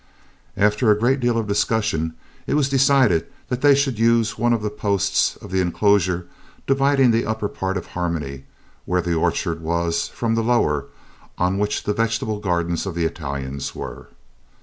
After a great deal of discussion it was decided that they should use one of the posts of the enclosure dividing the upper part of Harmony, where the orchard was, from the lower, on which the vegetable gardens of the Italians were.